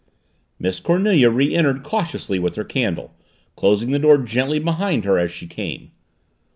Miss Cornelia re entered cautiously with her candle, closing the door gently behind her as she came.